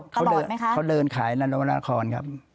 ตลอดไหมคะเค้าเดินขายนาโนโลนาคอร์นครับ